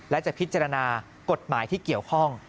และจะพิจารณากฎหมายที่เกี่ยวข้อง